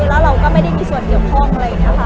แล้วเราก็ไม่ได้มีส่วนเหยื่อพร่องอะไรเนี่ยค่ะ